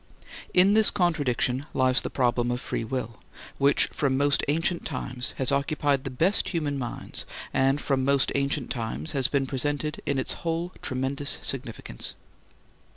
In this contradiction lies the problem of free will, which from most ancient times has occupied the best human minds and from most ancient times has been presented in its whole tremendous significance.